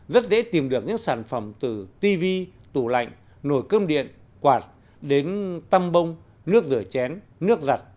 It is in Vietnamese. rất dễ tìm được những sản phẩm từ tv tủ lạnh nồi cơm điện quạt đến tăm bông nước rửa chén nước giặt